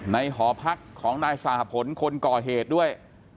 หอพักของนายสหพลคนก่อเหตุด้วย